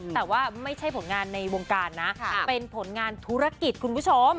แต่ว่าไม่ใช่ผลงานในวงการนะเป็นผลงานธุรกิจคุณผู้ชม